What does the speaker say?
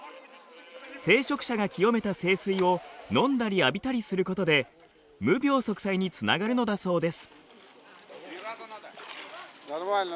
聖職者が清めた聖水を飲んだり浴びたりすることで無病息災につながるのだそうです。